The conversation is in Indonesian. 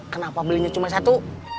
kenapa belinya cuma satu